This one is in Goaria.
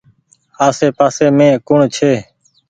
آسي پآسي مين ڪوڻ ڇي۔